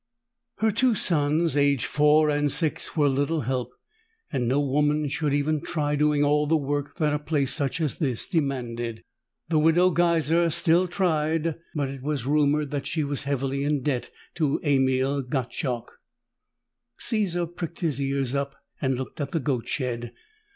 Her two sons, aged four and six, were little help and no woman should even try doing all the work that a place such as this demanded. The Widow Geiser still tried, but it was rumored that she was heavily in debt to Emil Gottschalk. Caesar pricked his ears up and looked at the goat shed.